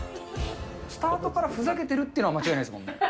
スタートからふざけてるっていうのは、間違いないですもんね。